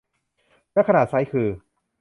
และขนาดไซซ์คือ